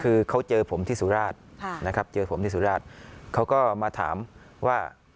คือเขาเจอผมที่สุราชนะครับเจอผมที่สุราชเขาก็มาถามว่า